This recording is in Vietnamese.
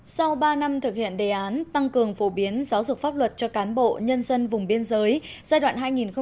sau ba năm thực hiện đề án tăng cường phổ biến giáo dục pháp luật cho cán bộ nhân dân vùng biên giới giai đoạn hai nghìn một mươi sáu hai nghìn hai mươi